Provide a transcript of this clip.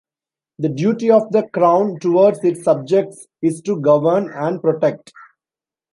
The duty of the Crown towards its subjects is to govern and protect.